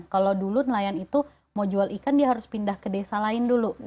kalau dulu nelayan itu mau jual ikan dia harus pindah ke desa lain dulu